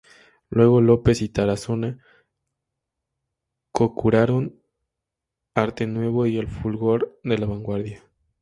Luego López y Tarazona co-curaron ""Arte Nuevo y el fulgor de la vanguardia.